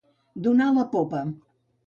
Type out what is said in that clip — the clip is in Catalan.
Donar la popa.